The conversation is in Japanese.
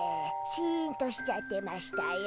シンとしちゃってましたよ。